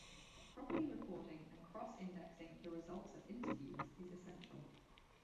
Properly recording and cross-indexing the results of interviews is essential.